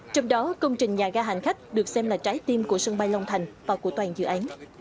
trong đó công trình nhà ga hành khách được xem là trái tim của sân bay long thành và của toàn dự án